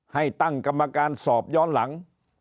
ให้ตั้งกรรมการสอบย้อนหลัง